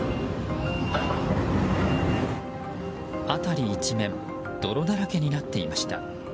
辺り一面泥だらけになっていました。